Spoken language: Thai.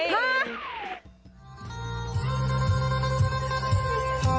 ฮะ